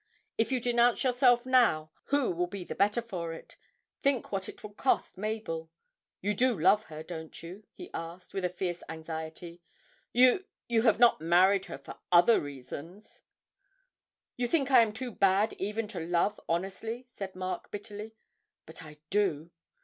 If you denounce yourself now, who will be the better for it? Think what it will cost Mabel.... You do love her, don't you?' he asked, with a fierce anxiety; 'you you have not married her for other reasons?' 'You think I am too bad even to love honestly,' said Mark, bitterly; 'but I do.'